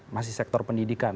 masih sektor pendidikan